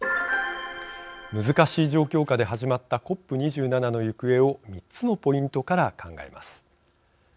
難しい状況下で始まったＣＯＰ２７の行方を３つのポイントから考えます。